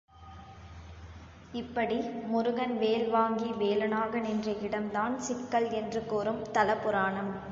இப்படி முருகன் வேல் வாங்கி வேலனாக நின்ற இடம்தான் சிக்கல் என்று கூறும் தல புராணம்.